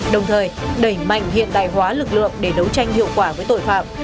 đồng thời đẩy mạnh hiện đại hóa lực lượng để đấu tranh hiệu quả với tội phạm